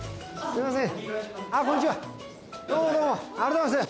すいません。